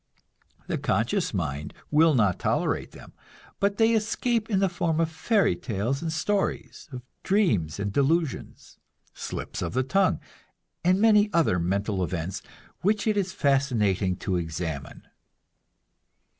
The conscious mind will not tolerate them, but they escape in the form of fairy tales and stories, of dreams and delusions, slips of the tongue, and many other mental events which it is fascinating to examine.